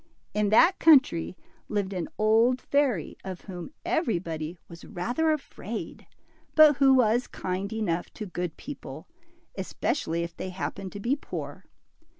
In that country lived an old fairy, of whom every body was rather afraid, but who was kind enough to good people, especially if they happened to be poor.